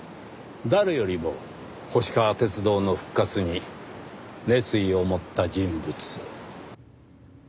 誰よりも星川鐵道の復活に熱意を持った人物。